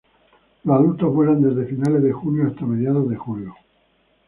Los adultos vuelan desde finales de junio hasta mediados de julio.